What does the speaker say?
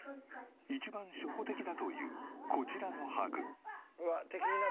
一番初歩的だというこちらのハグ。